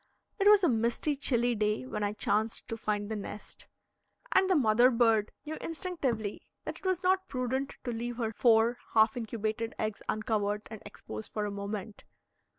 It was a misty, chilly day when I chanced to find the nest, and the mother bird knew instinctively that it was not prudent to leave her four half incubated eggs uncovered and exposed for a moment.